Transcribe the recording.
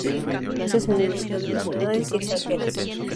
De vez en cuando dio conferencias en universidades nacionales y extranjeras.